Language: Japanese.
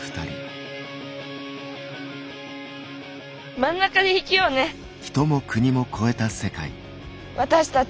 真ん中で生きようね私たち。